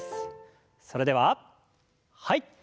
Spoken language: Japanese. それでははい。